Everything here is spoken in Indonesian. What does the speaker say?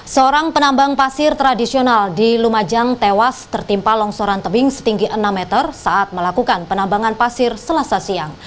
seorang penambang pasir tradisional di lumajang tewas tertimpa longsoran tebing setinggi enam meter saat melakukan penambangan pasir selasa siang